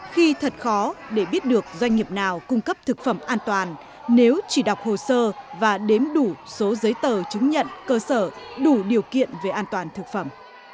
khi thật khó để biết được doanh nghiệp nào cung cấp thực phẩm an toàn nếu chỉ đọc hồ sơ và đếm đủ số giấy tờ chứng nhận cơ sở đủ điều kiện về an toàn thực phẩm